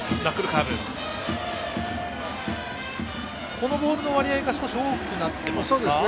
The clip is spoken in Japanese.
このボールの割合が少し多くなっていますか？